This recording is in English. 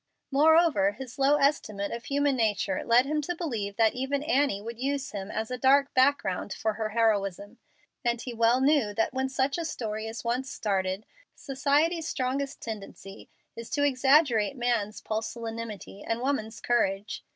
Moreover, his low estimate of human nature led him to believe that even Annie would use him as a dark background for her heroism; and he well knew that when such a story is once started, society's strongest tendency is to exaggerate man's pusillanimity and woman's courage.